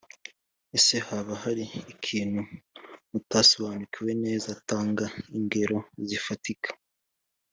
Ese haba hari ikintu mutasobanukiwe neza tanga ingero zifatika